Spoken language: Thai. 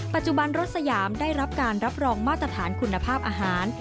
ปัจจุบันรถสยามได้รับการรับรองมาตรฐานคุณภาพอาหาร